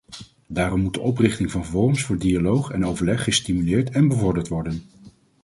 Daarom moet de oprichting van forums voor dialoog en overleg gestimuleerd en bevorderd worden.